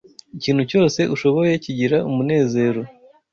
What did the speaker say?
Ikintu cyose ushoboye kigira umunezero.